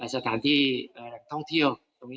สถานที่ท่องเที่ยว